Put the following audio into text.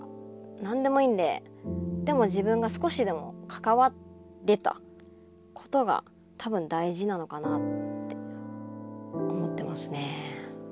何でもいいんででも自分が少しでも関われたことが多分大事なのかなって思ってますね。